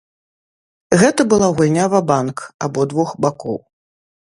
Гэта была гульня ва-банк абодвух бакоў.